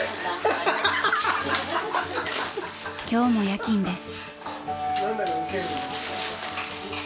［今日も夜勤です］